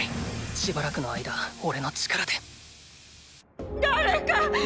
しばらくの間おれの力で誰かッ！